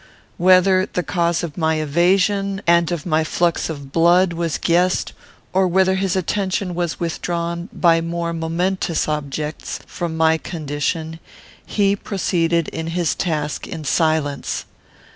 Whether the cause of my evasion, and of my flux of blood, was guessed, or whether his attention was withdrawn, by more momentous objects, from my condition, he proceeded in his task in silence.